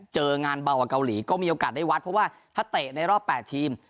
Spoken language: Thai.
เจองานเบากว่าเกาหลีก็มีโอกาสได้วัดเพราะว่าถ้าเตะในรอบ๘ทีม